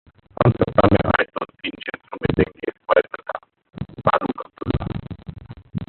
हम सत्ता में आए तो तीनों क्षेत्रों में देंगे स्वायत्तता: फारुक अब्दुल्ला